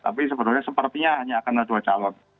tapi sebenarnya sepertinya hanya akan ada dua calon